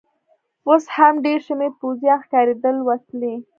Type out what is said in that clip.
اوس هم ډېر شمېر پوځیان ښکارېدل، وسلې.